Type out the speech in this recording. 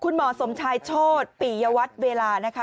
คุณหมอสมชายโชธปิยวัตรเวลานะคะ